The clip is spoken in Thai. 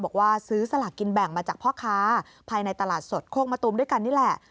บอกว่าซื้อสลากกินแบ่งมาจากพ่อค้าภายในตลาดสดโคกมะตูมด้วยกันนี่แหละ